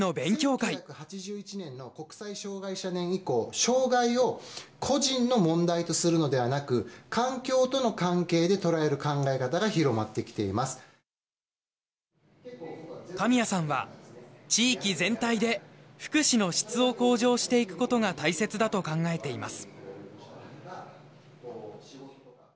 １９８１年の国際障害者年以降神谷さんは地域全体で福祉の質を向上していく事が大切だと考えています。